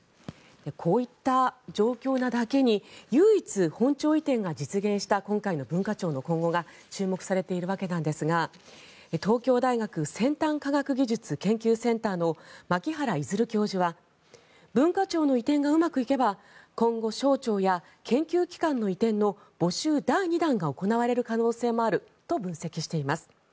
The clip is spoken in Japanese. こういった状況なだけに唯一、本庁移転が実現した今回の文化庁の今後が注目されているわけですが東京大学先端科学技術研究センターの牧原出教授は文化庁の移転がうまくいけば今後、省庁や研究機関の移転の募集第２弾が行われる可能性もあると分析しています。